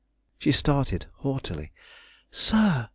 She started haughtily. "Sir!"